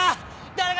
誰か！